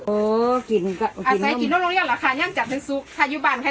โอ้กินก็กินเอาแล้วค่ะยังจับนั่งซุบถ้าอยู่บ้านให้